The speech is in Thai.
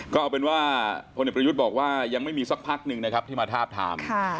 ก็เอาเป็นว่าพลเอกประยุทธ์บอกว่ายังไม่มีสักพักหนึ่งนะครับที่มาทาบทาม